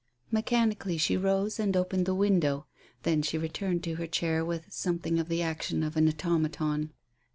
Mechanically she rose and opened the window; then she returned to her chair with something of the action of an automaton.